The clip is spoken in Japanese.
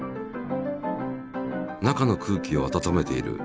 中の空気を温めている。